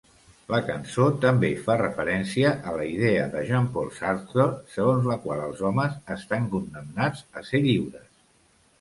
La cançó també fa referència a la idea de Jean-Paul Sartre segons la qual els homes estan condemnats a ser lliures.